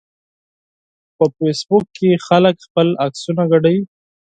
په فېسبوک کې خلک خپل عکسونه شریکوي